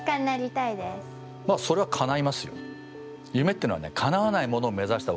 それはかないますよ。